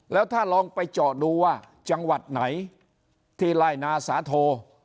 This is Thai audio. แล้วถ้าลองไปเจาะดูว่าจังหวัดไหนที่ไล่นาสาโท